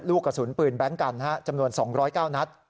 ลูกกระสุนปืนแบงค์กันจำนวน๒๐๙นัด